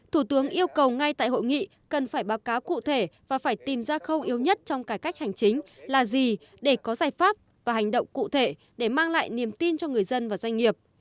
thủ tướng yêu cầu ngay tại hội nghị cần phải báo cáo cụ thể và phải tìm ra khâu yếu nhất trong cải cách hành chính là gì để có giải pháp và hành động cụ thể để mang lại niềm tin cho người dân và doanh nghiệp